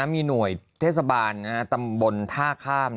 มีหน่วยเทศบาลตำบลท่าข้าม